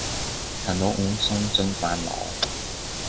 陳老五送進飯來，